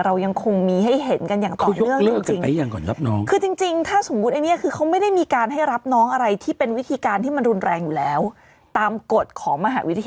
เรายังคงมีให้เห็นกันอย่างต่อเนื่อง